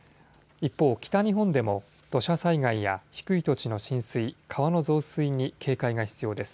一方、北日本でも土砂災害や低い土地の浸水川の増水に警戒が必要です。